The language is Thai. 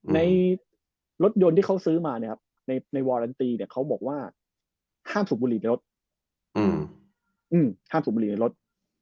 ในรถยนต์ที่เขาซื้อมาในวารันตีเขาบอกว่าห้ามสูบบุหรี่ในรถ